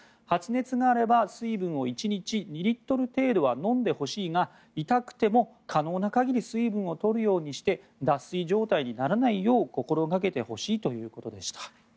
発熱があれば水分を１日２リットル程度は飲んでほしいが痛くても可能な限り水分を取るようにして脱水状態にならないよう心掛けてほしいということでした。